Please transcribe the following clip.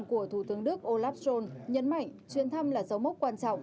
của thủ tướng đức olaf schol nhấn mạnh chuyển thăm là dấu mốc quan trọng